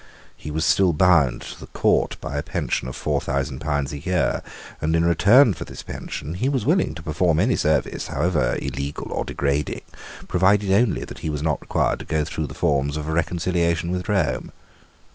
He was still bound to the court by a pension of four thousand pounds a year; and in return for this pension he was willing to perform any service, however illegal or degrading, provided only that he were not required to go through the forms of a reconciliation with Rome.